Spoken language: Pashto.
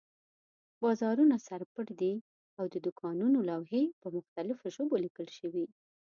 بازارونه سر پټ دي او د دوکانونو لوحې په مختلفو ژبو لیکل شوي.